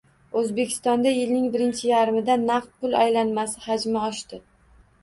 O‘zbekistonda yilning birinchi yarmida naqd pul aylanmasi hajmi oshdi